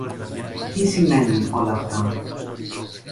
Τι σημαίνουν όλα αυτά;